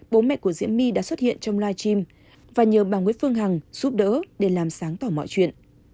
bố mẹ của diễm my đã xuất hiện trong live stream và nhờ bà nguyễn phương hằng giúp đỡ để làm sáng tỏ mọi chuyện